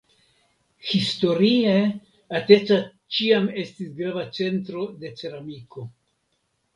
Historie Ateca ĉiam estis grava centro de ceramiko.